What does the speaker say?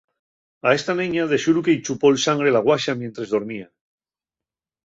A esta neña de xuru que-y chupó'l sangre la Guaxa mientres dormía.